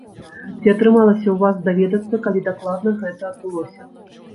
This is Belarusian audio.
Ці атрымалася ў вас даведацца, калі дакладна гэта адбылося?